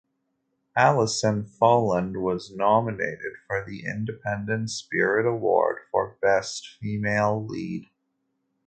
Alison Folland was nominated for the Independent Spirit Award for Best Female Lead.